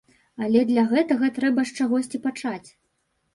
Але для гэтага трэба з чагосьці пачаць!